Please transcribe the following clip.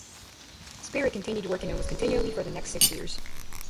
Spirit continued working almost continually for the next six years.